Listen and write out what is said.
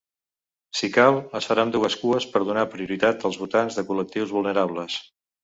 Si cal, es faran dues cues per donar prioritat als votants de col·lectius vulnerables.